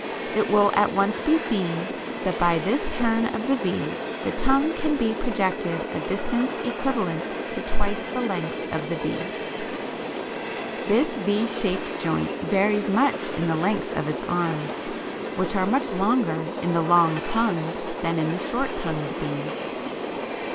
It will at once be seen that by this turn of the V the tongue can be projected a distance equivalent to twice the length of the V. This V shaped joint varies much in the length of its arms, which are much longer in the long tongued than in the short tongued bees.